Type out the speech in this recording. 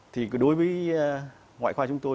thì đối với ngoại khoa chúng tôi